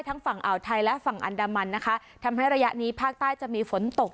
ฝั่งอ่าวไทยและฝั่งอันดามันนะคะทำให้ระยะนี้ภาคใต้จะมีฝนตก